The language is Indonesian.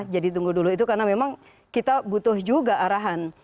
jadi tunggu dulu itu karena memang kita butuh juga arahan